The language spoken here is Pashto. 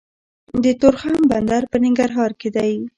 د تورخم بندر په ننګرهار کې دی